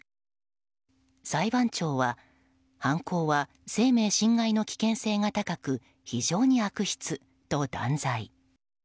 裁判長は犯行は生命侵害の危険性が高く非常に悪質と断罪。